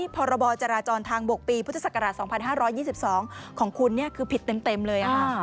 พรจราจรทางบกปีพศ๒๕๒๒ของคุณคือผิดเต็มเลยค่ะ